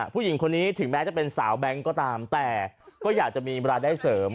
ผู้หญิงคนนี้ถึงแม้จะเป็นสาวแบงค์ก็ตามแต่ก็อยากจะมีเวลาได้เสริม